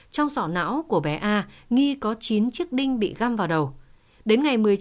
trong sọ não của bé a nghi có chín chiếc đinh bị găm vào đầu